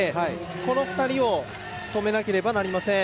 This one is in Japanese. この２人を止めなければなりません。